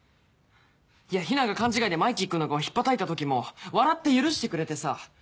いやヒナが勘違いでマイキー君の顔ひっぱたいたときも笑って許してくれてさ。